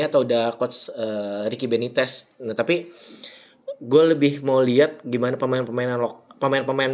atau udah coach ricky benitez tetapi gua lebih mau lihat gimana pemain pemainan lo pemain pemain